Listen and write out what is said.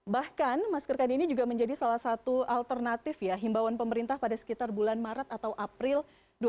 bahkan masker kain ini juga menjadi salah satu alternatif ya himbawan pemerintah pada sekitar bulan maret atau april dua ribu dua puluh